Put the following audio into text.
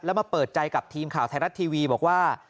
แล้วมาเปิดใจกับทีมข่าวไทยรัฐทีวีบอกว่า